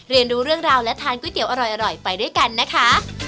เรียนรู้เรื่องราวและทานก๋วยเตี๋ยวอร่อยไปด้วยกันนะคะ